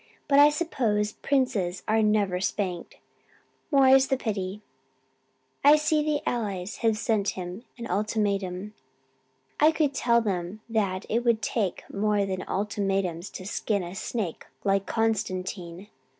"But I suppose princes are never spanked, more is the pity. I see the Allies have sent him an ultimatum. I could tell them that it will take more than ultimatums to skin a snake like Constantine.